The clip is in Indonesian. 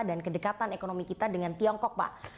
dan kedekatan ekonomi kita dengan tiongkok pak